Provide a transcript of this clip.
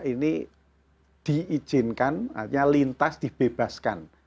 ini diizinkan artinya lintas dibebaskan